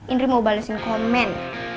indri mau balesin komen